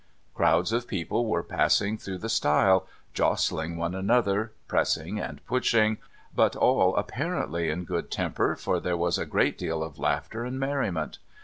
Crowds of people were passing through the stile, jostling one another, pressing and pushing, but all apparently in good temper, for there was a great deal of laughter and merriment.